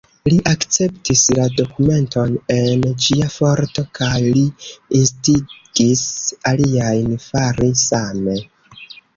Li akceptis la dokumenton en ĝia formo, kaj li instigis aliajn fari same.